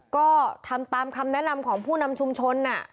ก็ทำตามคำแนะนำของผู้นำชุมชน